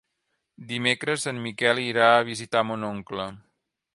Dimecres en Miquel irà a visitar mon oncle.